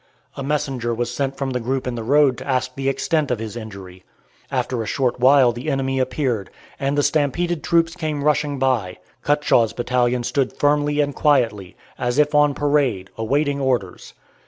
A messenger was sent from the group in the road to ask the extent of his injury. After a short while the enemy appeared, and the stampeded troops came rushing by. Cutshaw's battalion stood firmly and quietly, as if on parade, awaiting orders.